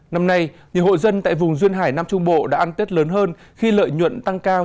năm nay nhiều hộ dân tại vùng duyên hải nam trung bộ đã ăn tết lớn hơn khi lợi nhuận tăng cao